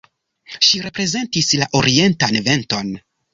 Ŝi reprezentis la orientan venton.